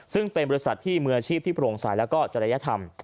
ซึ่งเป็นบริษัทที่มืออาชีพที่โปร่งสายแล้วก็จริยธรรม